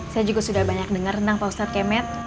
saya juga sudah banyak dengar tentang pak ustadz kemet